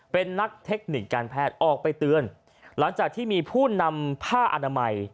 เป็นนักเทคนิคการแพทย์ออกไปเตือนหลังจากที่มีผู้นำผ้าอนามัย